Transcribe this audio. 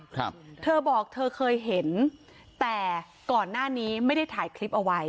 ครับเธอบอกเธอเคยเห็นแต่ก่อนหน้านี้ไม่ได้ถ่ายคลิปเอาไว้